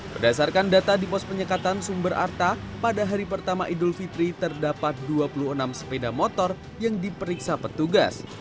berdasarkan data di pos penyekatan sumber arta pada hari pertama idul fitri terdapat dua puluh enam sepeda motor yang diperiksa petugas